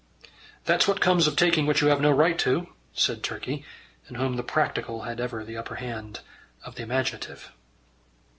"That's what comes of taking what you have no right to," said Turkey, in whom the practical had ever the upper hand of the imaginative.